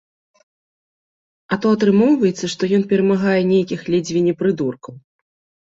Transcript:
А то атрымоўваецца, што ён перамагае нейкіх ледзьве не прыдуркаў.